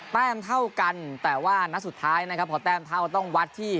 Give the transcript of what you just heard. แต้มเท่ากันแต่ว่านัดสุดท้ายนะครับพอแต้มเท่าต้องวัดที่